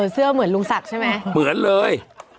เสื้อเหมือนลุงศักดิ์ใช่ไหมเหมือนเลย